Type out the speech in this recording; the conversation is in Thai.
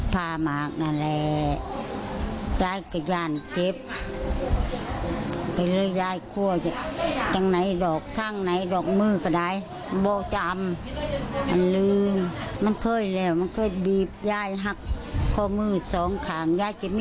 ผู้ชม